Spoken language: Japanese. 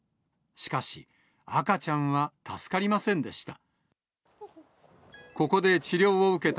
しかし、赤ちゃんは助かりませんでした。